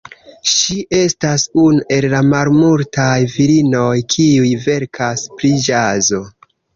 Ŝi estas unu el malmultaj virinoj, kiuj verkas pri ĵazo.